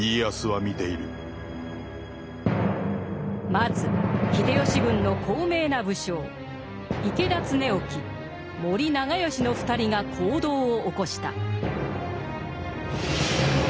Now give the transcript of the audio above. まず秀吉軍の高名な武将池田恒興森長可の２人が行動を起こした。